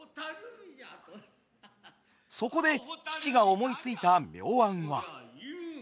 そこで父が思いついた妙案は。